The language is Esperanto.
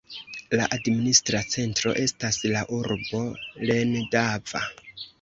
La administra centro estas la urbo Lendava.